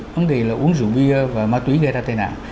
vấn đề là uống rượu bia và ma túy gây ra tai nạn